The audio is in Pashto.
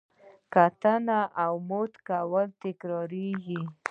کتنې او موډل کول تکراریږي.